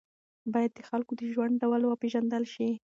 باید د خلکو د ژوند ډول وپېژندل شي.